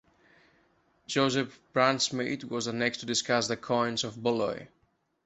Josip Brunsmid was the next to discuss the coins of Ballaios.